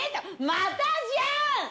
またじゃん！